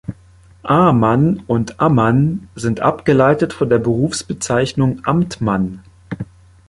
Amann und Ammann sind abgeleitet von der Berufsbezeichnung Amtmann.